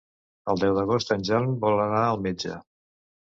El deu d'agost en Jan vol anar al metge.